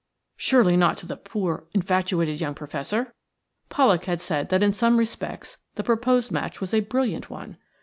Surely not to the poor, infatuated young Professor? Pollak had said that in some respects the proposed match was a brilliant one.